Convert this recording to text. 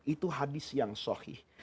itu hadis yang syokhih